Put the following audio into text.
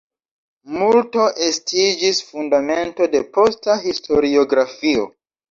Multo estiĝis fundamento de posta historiografio.